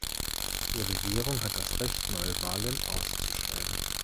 Die Regierung hat das Recht, Neuwahlen auszuschreiben.